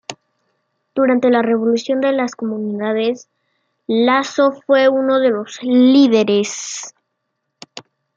Durante la revolución de las Comunidades, Laso fue uno de los líderes.